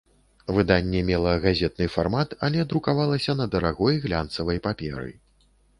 Выданне мела газетны фармат, але друкавалася на дарагой глянцавай паперы.